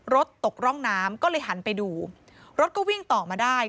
รถตกร่องน้ำก็เลยหันไปดูรถก็วิ่งต่อมาได้